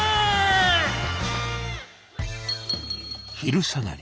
昼下がり